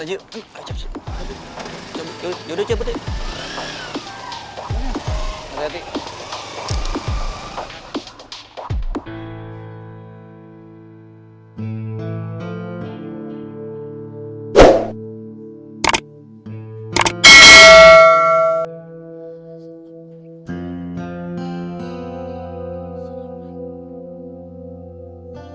yaudah cabut yuk